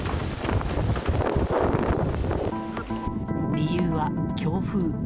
理由は強風。